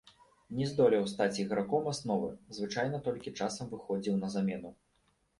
Не здолеў стаць іграком асновы, звычайна толькі часам выхадзіў на замену.